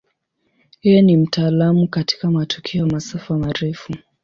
Yeye ni mtaalamu katika matukio ya masafa marefu.